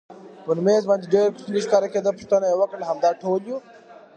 پر مېز باندې ډېر کوچنی ښکارېده، پوښتنه یې وکړل همدا ټول یو؟